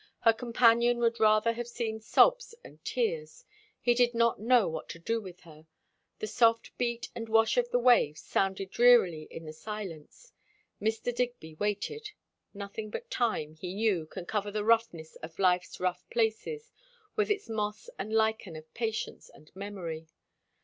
Her companion would rather have seen sobs and tears; he did not know what to do with her. The soft beat and wash of the waves sounded drearily in the silence. Mr. Digby waited. Nothing but time, he knew, can cover the roughness of life's rough places with its moss and lichen of patience and memory.